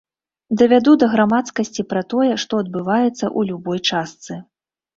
Давяду да грамадскасці пра тое, што адбываецца ў любой частцы.